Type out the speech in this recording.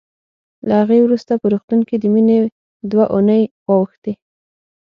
له هغې وروسته په روغتون کې د مينې دوه اوونۍ واوښتې